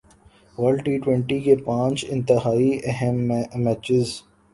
world T twenty کے پانچ انتہائی اہم میچز